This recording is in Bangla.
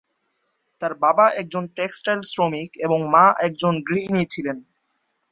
তার বাবা একজন টেক্সটাইল শ্রমিক এবং মা একজন গৃহিণী ছিলেন।